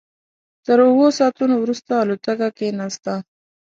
تر اوو ساعتونو وروسته الوتکه کېناسته.